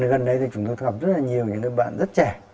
gần đấy thì chúng tôi gặp rất là nhiều những người bạn rất trẻ